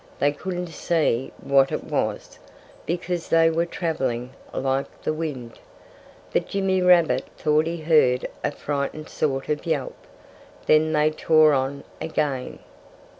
They couldn't see what it was, because they were traveling like the wind. But Jimmy Rabbit thought he heard a frightened sort of yelp. Then they tore on again.